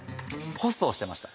ホストをしてました